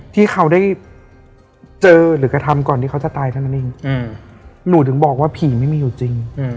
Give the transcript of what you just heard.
ที่เขาได้เจอหรือกระทำก่อนที่เขาจะตายเท่านั้นเองหนูถึงบอกว่าผีไม่มีอยู่จริง